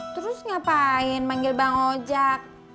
terus ngapain manggil bang ojak